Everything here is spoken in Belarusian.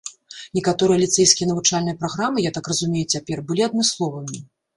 Некаторыя ліцэйскія навучальныя праграмы, я так разумею цяпер, былі адмысловымі.